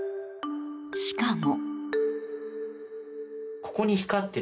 しかも。